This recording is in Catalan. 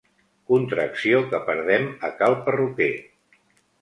Contracció que perdem a cal perruquer.